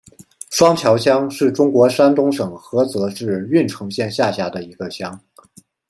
双桥乡是中国山东省菏泽市郓城县下辖的一个乡。